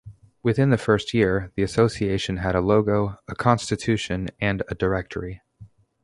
Within the first year, the association had a logo, a constitution, and a directory.